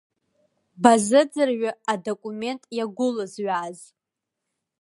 Базыӡырҩы адокумент иагәылызҩааз.